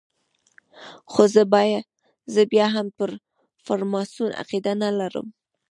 خو زه بیا هم پر فرماسون عقیده نه لرم.